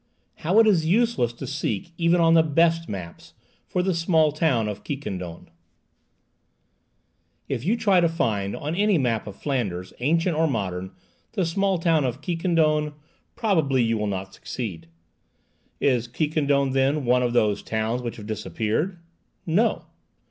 HOW IT IS USELESS TO SEEK, EVEN ON THE BEST MAPS, FOR THE SMALL TOWN OF QUIQUENDONE. If you try to find, on any map of Flanders, ancient or modern, the small town of Quiquendone, probably you will not succeed. Is Quiquendone, then, one of those towns which have disappeared? No.